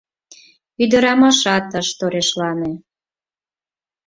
Ӱдырамашат ыш торешлане.